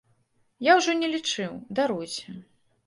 Я ўжо не лічыў, даруйце.